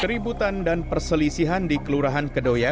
keributan dan perselisihan di kelurahan kedoya